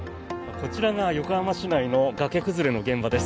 こちらが横浜市内の崖崩れの現場です。